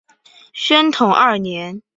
宣统二年。